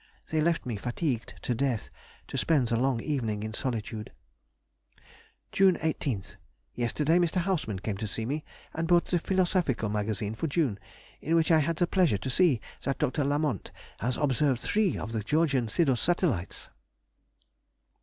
They left me fatigued to death, to spend the long evening in solitude. June 18th.—Yesterday Mr. Hausmann came to see me, and brought the Philosophical Magazine for June, in which I had the pleasure to see that Dr. Lamont has observed three of the Georgium Sidus satellites.